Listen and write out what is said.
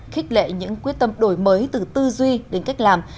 khích lệ những quyết tâm đổi mới từ tư duy đến cách làm